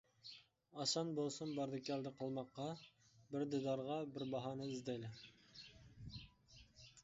ئاسان بولسۇن باردى-كەلدى قىلماققا، بىر دىدارغا بىر باھانە ئىزدەيلى.